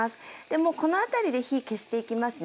もうこの辺りで火消していきますね。